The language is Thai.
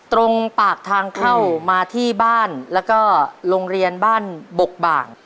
ตรงปากทางเข้ามาที่บ้านแล้วก็โรงเรียนบ้านบกบ่าง